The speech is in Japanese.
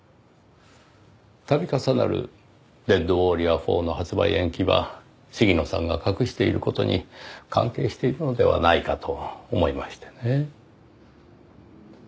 度重なる『デッドウォーリア４』の発売延期は鴫野さんが隠している事に関係しているのではないかと思いましてね。